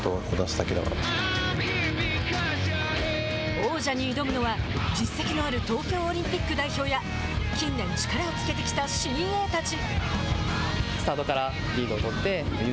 王者に挑むのは実績のある東京オリンピック代表や近年、力をつけてきた新鋭たち。